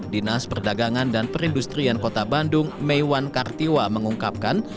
dinas perdagangan dan perindustrian kota bandung meiwan kartiwa mengungkapkan